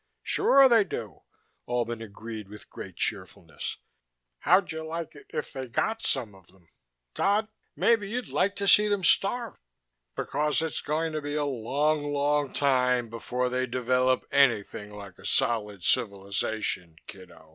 "Sure they do," Albin agreed with great cheerfulness. "How'd you like it if they got some of them? Dodd, maybe you'd like to see them starve? Because it's going to be a long, long time before they develop anything like a solid civilization, kiddo.